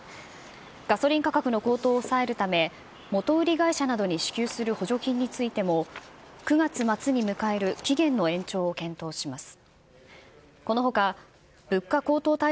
ガソリン価格の高騰を抑えるため、元売り会社などに支給する補助金についても、９月末に迎える期限の延長を検討します。